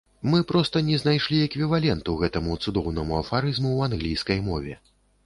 Мы проста не знайшлі эквіваленту гэтаму цудоўнаму афарызму ў англійскай мове.